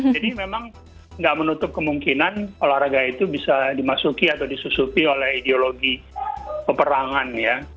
jadi memang nggak menutup kemungkinan olahraga itu bisa dimasuki atau disusupi oleh ideologi peperangan ya